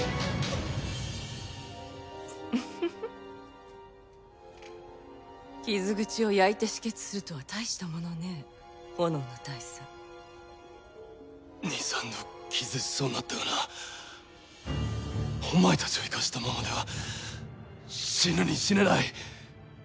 フフフ傷口を焼いて止血するとは大したものね焔の大佐２３度気絶しそうになったがなお前達を生かしたままでは死ぬに死ねない！